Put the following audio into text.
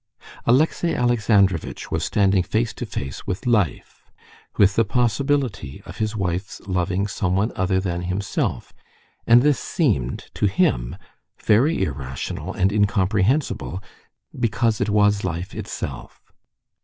Alexey Alexandrovitch was standing face to face with life, with the possibility of his wife's loving someone other than himself, and this seemed to him very irrational and incomprehensible because it was life itself.